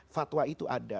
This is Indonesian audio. fatwa itu ada